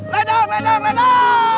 ledang ledang ledang